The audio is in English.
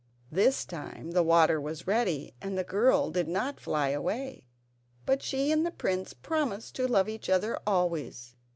This time the water was ready and the girl did not fly away, but she and the prince promised to love each other always.